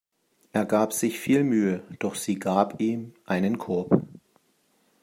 Er gab sich viel Mühe, doch sie gab ihm einen Korb.